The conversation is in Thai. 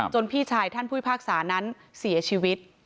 พี่ชายท่านผู้พิพากษานั้นเสียชีวิต